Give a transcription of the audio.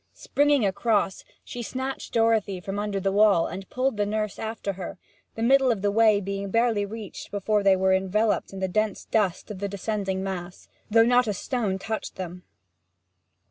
Springing across, she snatched Dorothy from under the wall, and pulled the nurse after her, the middle of the way being barely reached before they were enveloped in the dense dust of the descending mass, though not a stone touched them.